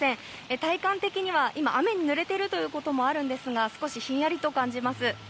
体感的には、雨にぬれていることもあるんですが少しひんやりと感じます。